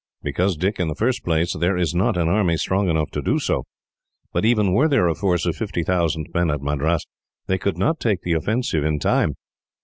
"Because, Dick, in the first place, there is not an army strong enough to do so; but even were there a force of fifty thousand men at Madras, they could not take the offensive in time.